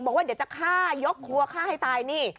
บอกว่าเดี๋ยวจะฆ่ายกครัวฆ่าให้ตายนี่